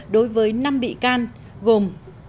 đối với năm bị can gồm